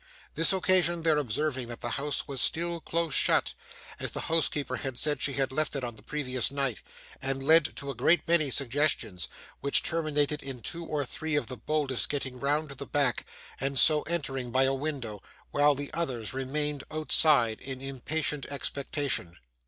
This occasioned their observing that the house was still close shut, as the housekeeper had said she had left it on the previous night, and led to a great many suggestions: which terminated in two or three of the boldest getting round to the back, and so entering by a window, while the others remained outside, in impatient expectation.